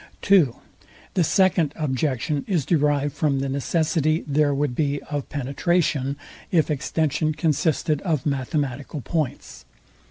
II. The second objection is derived from the necessity there would be of PENETRATION, if extension consisted of mathematical points.